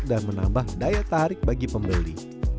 dan menambah daya tarik bagi pembeli